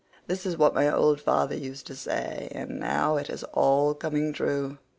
This was what my old father used to say, and now it is all coming true.